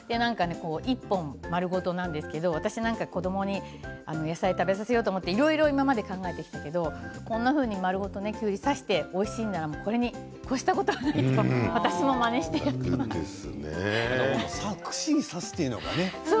１本丸ごとなんですけど私なんか子どもに野菜食べさせようと思っていろいろ考えてきたけどこんなふうに丸ごときゅうりを刺しておいしいんだったらこれにこしたことはないと私もまねしてやっています。